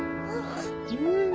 うん。